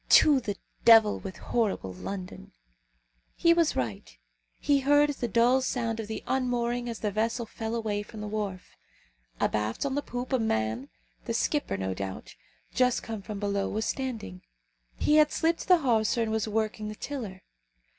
To the devil with horrible London!" He was right. He heard the dull sound of the unmooring as the vessel fell away from the wharf. Abaft on the poop a man, the skipper, no doubt, just come from below, was standing. He had slipped the hawser and was working the tiller.